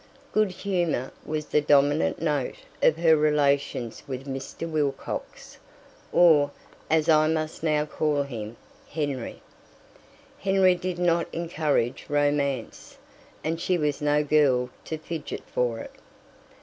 Good humour was the dominant note of her relations with Mr. Wilcox, or, as I must now call him, Henry. Henry did not encourage romance, and she was no girl to fidget for it.